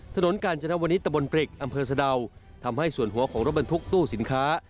ถนนกาญจนวนิตตะบนปริกอำเภอสะดาวทำให้ส่วนหัวของรถบรรทุกตู้สินค้า